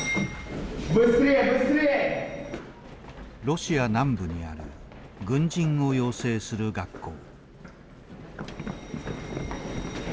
ロシア南部にある軍人を養成する学校。